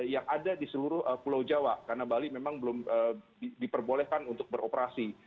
yang ada di seluruh pulau jawa karena bali memang belum diperbolehkan untuk beroperasi